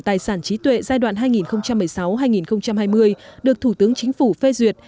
tài sản trí tuệ giai đoạn hai nghìn một mươi sáu hai nghìn hai mươi được thủ tướng chính phủ phê duyệt